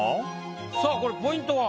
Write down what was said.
さあこれポイントは？